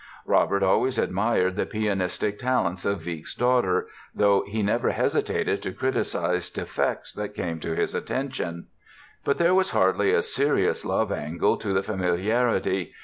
Robert always admired the pianistic talents of Wieck's daughter though he never hesitated to criticise defects that came to his attention. But there was hardly a serious love angle to the familiarity.